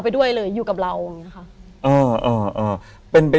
คนอยู่ตัวคนนี้